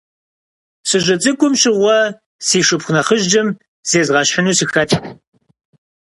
Сыщыцӏыкӏум щыгъуэ, си шыпхъу нэхъыжьым зезгъэщхьыну сыхэтт.